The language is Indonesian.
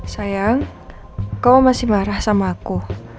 sayang kau masih marah sama aku